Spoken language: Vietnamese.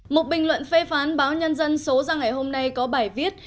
một bình luận phê phán báo nhân dân số ra ngày hôm nay có bài viết